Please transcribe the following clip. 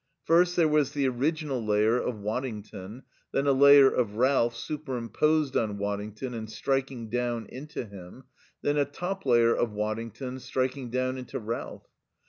First there was the original layer of Waddington, then a layer of Ralph superimposed on Waddington and striking down into him; then a top layer of Waddington, striking down into Ralph.